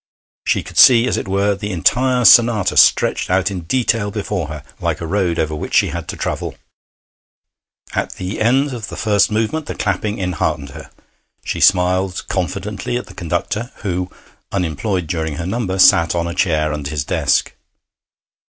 She could see, as it were, the entire sonata stretched out in detail before her like a road over which she had to travel.... At the end of the first movement the clapping enheartened her; she smiled confidently at the conductor, who, unemployed during her number, sat on a chair under his desk.